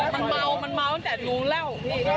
มันเมาตั้งแต่หนูแล้ว